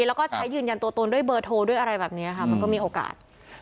แล้วก็ใช้ยืนยันตัวตนด้วยเบอร์โทรด้วยอะไรแบบนี้ค่ะมันก็มีโอกาส